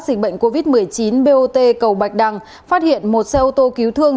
dịch bệnh covid một mươi chín bot cầu bạch đăng phát hiện một xe ô tô cứu thương